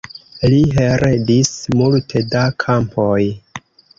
Li heredis multe da kampoj.